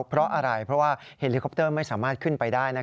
เพราะอะไรเพราะว่าเฮลิคอปเตอร์ไม่สามารถขึ้นไปได้